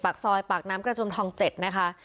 เปลี่ยวว่าแถวปากซอยปากน้ำกระจวมทอง๗นะ